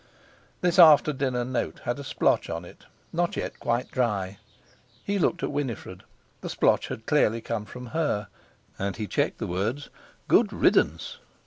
This after dinner note had a splotch on it not yet quite dry. He looked at Winifred—the splotch had clearly come from her; and he checked the words: "Good riddance!"